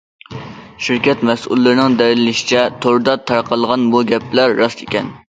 شىركەت مەسئۇلىنىڭ دەلىللىشىچە، توردا تارقالغان بۇ گەپلەر راست ئىكەن.